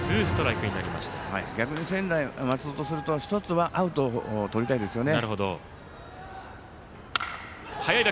逆に専大松戸とすると１つはアウトとりたいんですよね。